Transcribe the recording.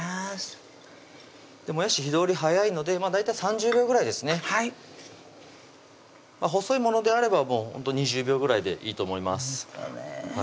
もやし火通り早いので大体３０秒ぐらいですね細いものであればもうほんと２０秒ぐらいでいいと思います